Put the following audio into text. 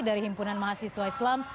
dari himpunan mahasiswa islam